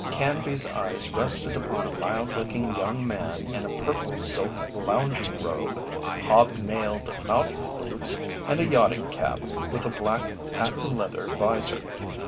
Canby's eyes rested upon a mild looking young man in a purple silk lounging robe, hob nailed mountain boots, and a yachting cap with a black patent leather visor.